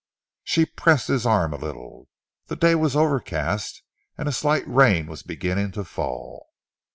She pressed his arm a little. The day was overcast, a slight rain was beginning to fall.